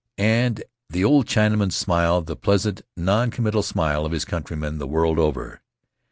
And the old Chinaman smiled the pleasant, noncommittal smile of his countrymen the world over.